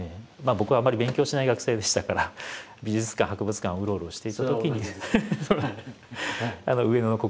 僕はあんまり勉強しない学生でしたから美術館博物館をうろうろしていたときに。